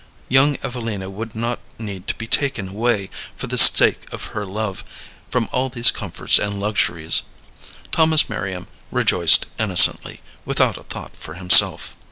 Young Evelina would not need to be taken away, for the sake of her love, from all these comforts and luxuries. Thomas Merriam rejoiced innocently, without a thought for himself.